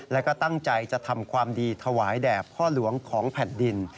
แล้วก็ตั้งใจจะทำความดีถวายแด่พ่อหลวงของแผ่นดิน